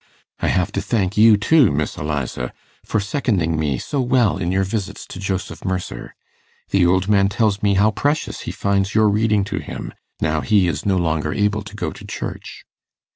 'I have to thank you, too, Miss Eliza, for seconding me so well in your visits to Joseph Mercer. The old man tells me how precious he finds your reading to him, now he is no longer able to go to church.